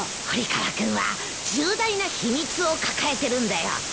堀川君は重大な秘密を抱えてるんだよ。